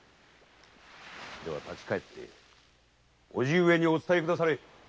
では立ち帰っておじ上にお伝えくだされ。